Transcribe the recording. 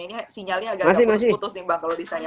ini sinyalnya agak putus putus nih bang kalau disanya